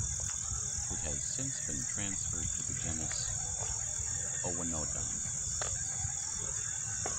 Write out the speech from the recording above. It has since been transferred to the genus "Owenodon".